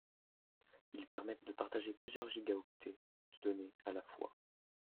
Ils permettent de partager plusieurs Go de données à la fois.